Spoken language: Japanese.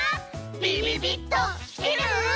ビビビっときてる？